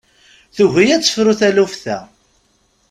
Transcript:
Tugi ad tefru taluft-a.